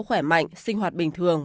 khỏe mạnh sinh hoạt bình thường